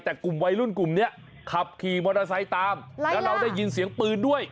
แต่กลุ่มวัยรุ่นกลุ่มนี้ขับขี่มอเตอร์ไซค์ตามแล้วเราได้ยินเสียงปืนด้วย